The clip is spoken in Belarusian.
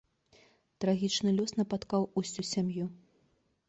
Трагічны лёс напаткаў усю сям'ю.